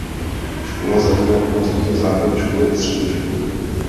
Škola zahrnuje oba stupně základní školy a střední školu.